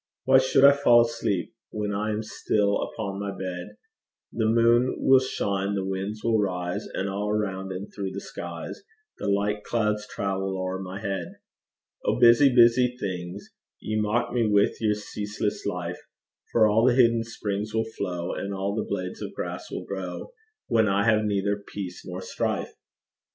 Why should I fall asleep? When I am still upon my bed, The moon will shine, the winds will rise, And all around and through the skies The light clouds travel o'er my head. O, busy, busy things! Ye mock me with your ceaseless life; For all the hidden springs will flow, And all the blades of grass will grow, When I have neither peace nor strife.